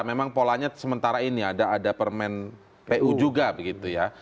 memang polanya sementara ini ada permen pu juga begitu ya